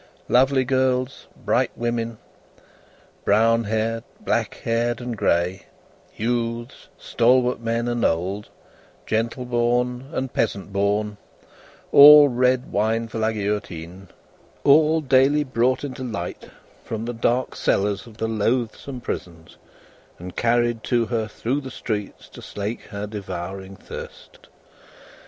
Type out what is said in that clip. Lovely girls; bright women, brown haired, black haired, and grey; youths; stalwart men and old; gentle born and peasant born; all red wine for La Guillotine, all daily brought into light from the dark cellars of the loathsome prisons, and carried to her through the streets to slake her devouring thirst.